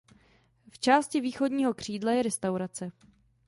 V části východního křídla je restaurace.